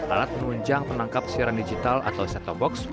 alat penunjang penangkap siaran digital atau set top box